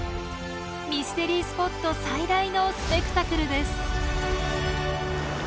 ミステリースポット最大のスペクタクルです。